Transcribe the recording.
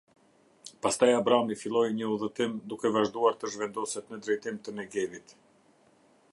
Pastaj Abrami filloi një udhëtim, duke vazhduar të zhvendoset në drejtim të Negevit.